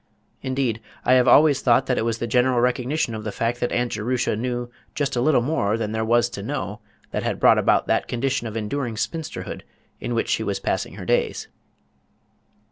Indeed I have always thought that it was the general recognition of the fact that Aunt Jerusha knew just a little more than there was to know that had brought about that condition of enduring spinsterhood in which she was passing her days.